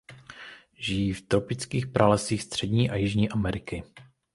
Žijí v tropických pralesích Střední a Jižní Ameriky.